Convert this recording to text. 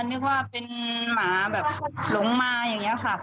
นึกว่าเป็นหมาแบบหลงมาอย่างนี้ค่ะ